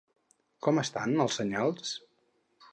Com estan els senyals?